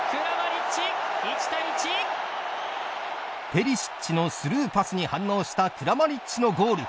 ペリシッチのスルーパスに反応したクラマリッチのゴール。